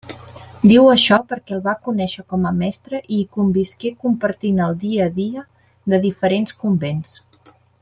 Diu això perquè el va conéixer com a mestre i hi convisqué compartint el dia a dia de diferents convents.